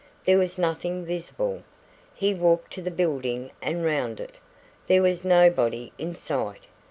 There was nothing visible. He walked to the building and round it. There was nobody in sight.